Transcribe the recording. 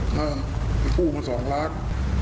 ถ้ากู้มา๒ล้าน